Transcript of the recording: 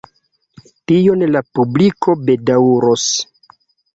Tion la publiko bedaŭros.